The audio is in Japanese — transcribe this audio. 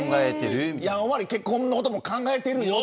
やんわり結婚のことも考えてるよと。